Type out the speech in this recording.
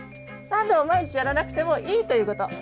何度も毎日やらなくてもいいということ。